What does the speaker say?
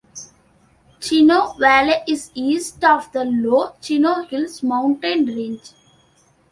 Chino Valley is east of the low Chino Hills mountain range.